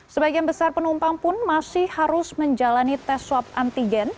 sebagian besar penumpang pun masih harus menjalani tes swab antigen